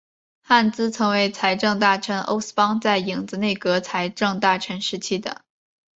汉兹曾为财政大臣欧思邦在影子内阁财政大臣时期的。